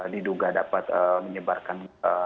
diduga dapat menyebarkan